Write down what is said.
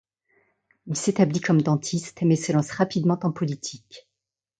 Il s'établit comme dentiste mais se lance rapidement en politique.